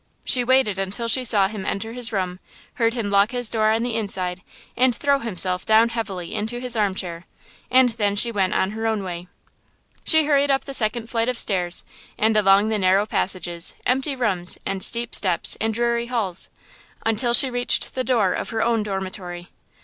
She waited until she saw him enter his room, heard him lock his door on the inside and throw himself down heavily into his arm chair, and then she went on her own way. She hurried up the second flight of stairs and along the narrow passages, empty rooms, and steep steps and dreary halls, until she reached the door of her own dormitory.